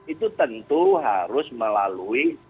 itu tentu harus melalui